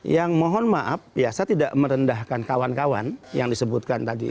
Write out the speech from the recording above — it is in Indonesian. yang mohon maaf ya saya tidak merendahkan kawan kawan yang disebutkan tadi